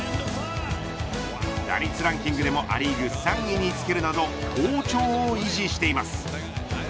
打率ランキングでもア・リーグ３位につけるなど好調を維持しています。